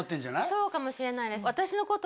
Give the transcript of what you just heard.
そうかもしれないです